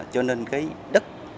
cho nên cái đất